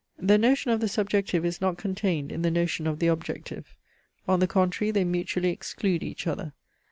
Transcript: The notion of the subjective is not contained in the notion of the objective. On the contrary they mutually exclude each other.